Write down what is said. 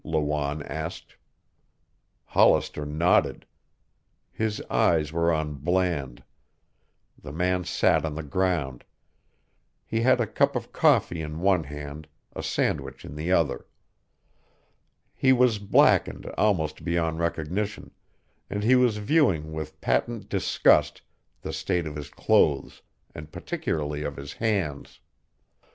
Lawanne asked. Hollister nodded. His eyes were on Bland. The man sat on the ground. He had a cup of coffee in one hand, a sandwich in the other. He was blackened almost beyond recognition, and he was viewing with patent disgust the state of his clothes and particularly of his hands.